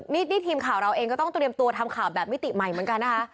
นี่ทีมข่าวเราเองก็ต้องเตรียมตัวทำข่าวแบบมิติใหม่เหมือนกันนะคะ